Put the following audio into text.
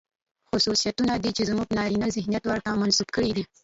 خصوصيتونه دي، چې زموږ نارينه ذهنيت ورته منسوب کړي دي.